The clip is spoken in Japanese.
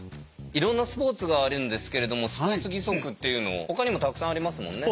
いろんなスポーツがあるんですけれどもスポーツ義足っていうのほかにもたくさんありますもんね。